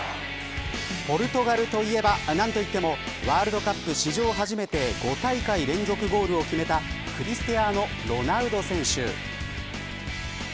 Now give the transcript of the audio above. ポルトガルといえば何と言ってもワールドカップ史上初めて５大会連続ゴールを決めたクリスティアーノ・ロナウド選手。